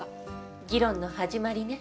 議論の始まりね。